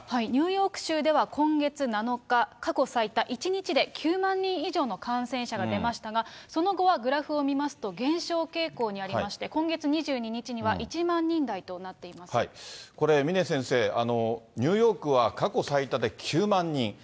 ニューヨーク州では今月７日、過去最多１日で９万人以上の感染者が出ましたが、その後はグラフを見ますと、減少傾向にありまして、今月２２日には、これ、峰先生、ニューヨークは過去最多で９万人。